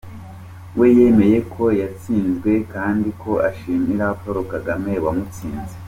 We yemeye ko yatsinzwe kandi ko ashimira Paul Kagame wamutsinze.